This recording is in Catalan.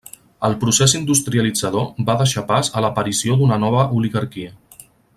El procés industrialitzador va deixar pas a l'aparició d'una nova oligarquia.